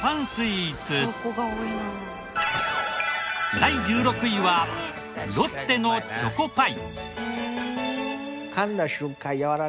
第１６位はロッテのチョコパイ。